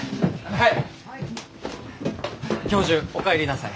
はい。